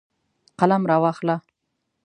قلم راواخله.